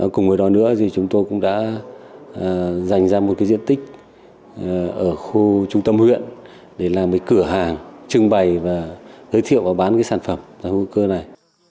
cùng với đó nữa thì chúng tôi cũng đã dành ra một diện tích ở khu trung tâm huyện để làm cái cửa hàng trưng bày và giới thiệu và bán sản phẩm rau hữu cơ này